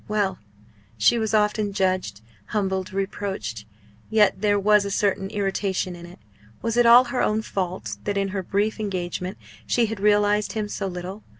Well! she was often judged, humbled, reproached. Yet there was a certain irritation in it. Was it all her own fault that in her brief engagement she had realised him so little?